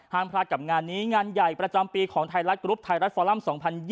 พลาดกับงานนี้งานใหญ่ประจำปีของไทยรัฐกรุ๊ปไทยรัฐฟอลัม๒๐๒๐